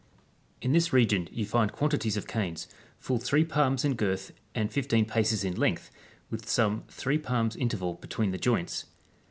In this region you find quantities of canes, full three palms in girth and fifteen paces in length, with some three pahns interval between the joints.